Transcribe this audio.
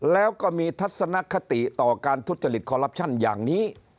แล้วก็มีทัศนคติต่อการทุจริตคอลลับชั่นอย่างนี้